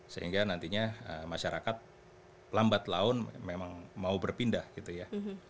sehingga nantinya masyarakat lambat laun memang mau berpindah gitu ya